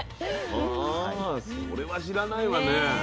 それは知らないわね。